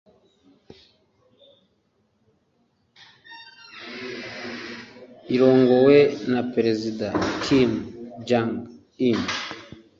irongowe na perezida Kim Jong-Un